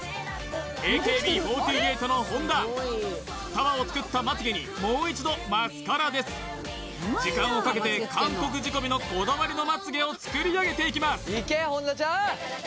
ＡＫＢ４８の本田束を作ったまつげにもう一度マスカラです時間をかけて韓国仕込みのこだわりのまつげを作り上げていきます